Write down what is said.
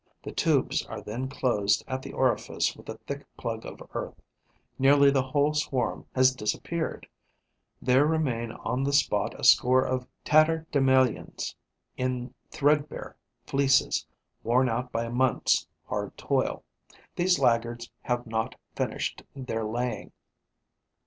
The tubes are then closed at the orifice with a thick plug of earth; nearly the whole swarm has disappeared; there remain on the spot a score of tatterdemalions in threadbare fleeces, worn out by a month's hard toil. These laggards have not finished their laying.